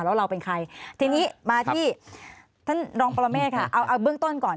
แล้วเราเป็นใครทีนี้มาที่ท่านรองปรเมฆค่ะเอาเอาเบื้องต้นก่อน